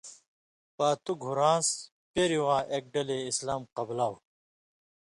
پاتُو گُھران٘س پېریۡ واں اېک ڈلے اِسلام قبلاؤ۔